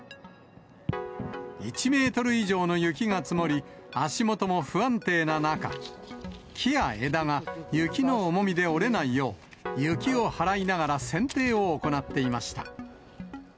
１メートル以上の雪が積もり、足元も不安定な中、木や枝が雪の重みで折れないよう、雪を払いながら、せんていを行っていました。